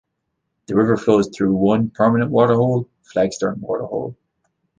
The river flows through one permanent waterhole; Flagstone waterhole.